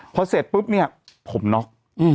พอเสร็จปุ๊บเนี่ยผมน็อก